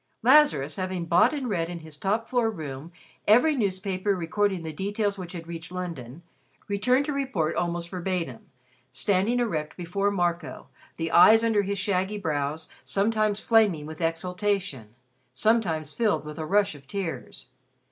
Lazarus, having bought and read in his top floor room every newspaper recording the details which had reached London, returned to report almost verbatim, standing erect before Marco, the eyes under his shaggy brows sometimes flaming with exultation, sometimes filled with a rush of tears.